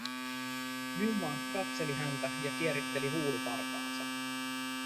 Nymark katseli häntä ja kieritteli huulipartaansa.